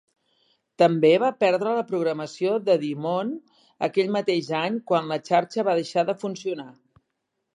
També va perdre la programació de DuMont aquell mateix any quan la xarxa va deixar de funcionar.